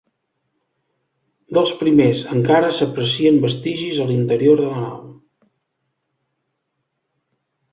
Dels primers encara s'aprecien vestigis a l'interior de la nau.